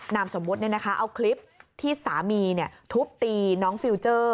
นามสมมุติเอาคลิปที่สามีทุบตีน้องฟิลเจอร์